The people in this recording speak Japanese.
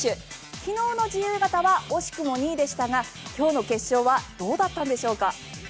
昨日の自由形は惜しくも２位でしたが今日の決勝はどうだったんでしょうか。